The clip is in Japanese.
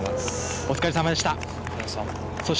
お疲れさまでした。